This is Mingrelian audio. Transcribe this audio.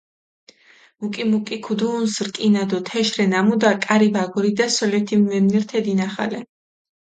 მუკ-მუკი ქუგუჸუნს რკინა დო თეშ რე ნამუდა, კარი ვაგორიდა სოლეთინ ვემნირთე დინახალე.